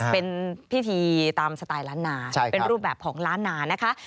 เป็นพิธีตามสไตล์ล้านนาเป็นรูปแบบของล้านนานะคะ